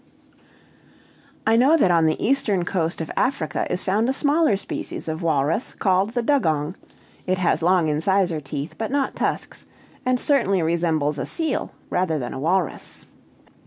I know that on the eastern coast of Africa is found a smaller species of walrus called the dugong; it has long incisor teeth, but not tusks; and certainly resembles a seal, rather than a walrus."